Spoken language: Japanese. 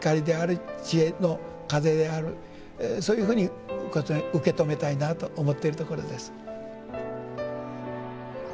そういうふうに受け止めたいなと思っているところです。